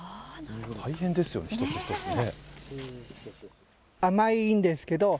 大変ですよね、一つ一つね。